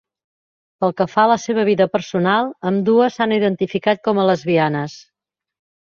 Pel que fa a la seva vida personal, ambdues s'han identificat com a lesbianes.